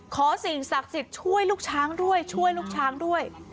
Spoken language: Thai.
สิ่งศักดิ์สิทธิ์ช่วยลูกช้างด้วยช่วยลูกช้างด้วย